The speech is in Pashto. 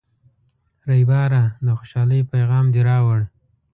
ریبراه، د خوشحالۍ پیغام دې راوړ.